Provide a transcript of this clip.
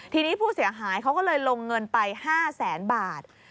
ทีนี้ผู้เสียหายเขาก็เลยลงเงินไป๕แสนบาท